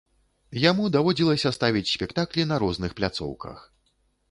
Яму даводзілася ставіць спектаклі на розных пляцоўках.